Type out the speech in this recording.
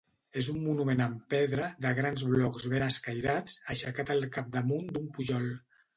És un monument en pedra, de grans blocs ben escairats, aixecat al capdamunt d'un pujol.